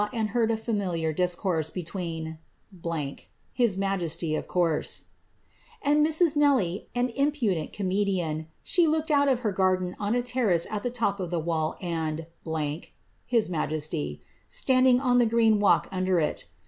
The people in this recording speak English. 96 and heard a familiar discourse between '' (his majest^i rae) ^ and Mrs. Nelly, an impudent comedian, she looking out ol ■den on a terrace at the top of the wall, and (his majesty} ig on the green walk under it.